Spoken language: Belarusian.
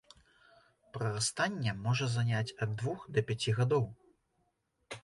Прарастанне можа заняць ад двух да пяці гадоў.